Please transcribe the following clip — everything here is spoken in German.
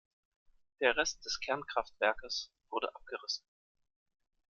Der Rest des Kernkraftwerkes wurde abgerissen.